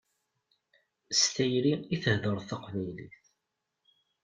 S tayri i theddṛeḍ taqbaylit.